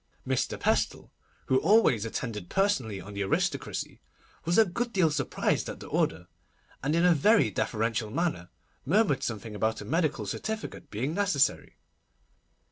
Mr. Pestle, who always attended personally on the aristocracy, was a good deal surprised at the order, and in a very deferential manner murmured something about a medical certificate being necessary.